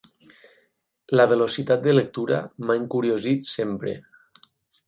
La velocitat de lectura m'ha encuriosit sempre.